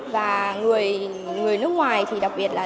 và người nước ngoài thì đặc biệt là